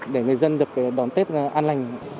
để người dân được đón tết an lành